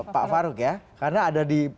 pak faruk ya karena ada di